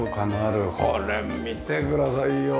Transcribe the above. これ見てくださいよ！